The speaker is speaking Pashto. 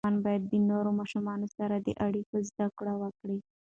ماشوم باید د نورو ماشومانو سره د اړیکو زده کړه وکړي.